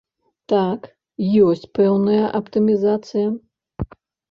Так, ёсць пэўная аптымізацыя.